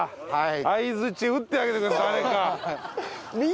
はい。